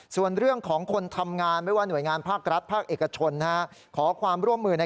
ส่วนเรื่องของคนทำงานไม่ว่าหน่วยงานภาครัฐภาคเอกชนนะฮะ